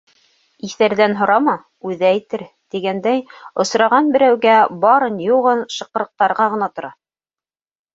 Иҫәрҙән һорама, үҙе әйтер, тигәндәй, осраған берәүгә барын-юғын шыҡырыҡтарға ғына тора.